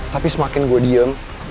tapi semakin gue diem